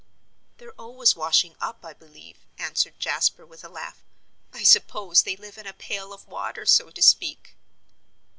"They're always washing up, I believe," answered Jasper, with a laugh. "I suppose they live in a pail of water, so to speak."